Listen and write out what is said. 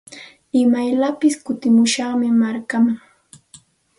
Imayllapis kutimushaqmi markaaman.